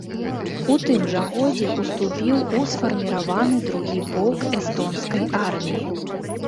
У тым жа годзе ўступіў у сфарміраваны другі полк эстонскай арміі.